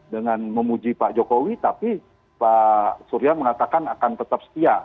dengan memuji pak jokowi tapi pak surya mengatakan akan tetap setia